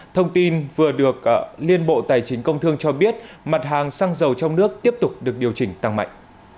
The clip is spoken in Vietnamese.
thông tin vừa được liên bộ tài chính công thương cho biết mặt hàng xăng dầu trong nước tiếp tục được điều chỉnh tăng mạnh